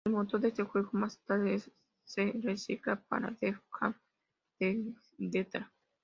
El motor de este juego más tarde se recicla para "Def Jam Vendetta".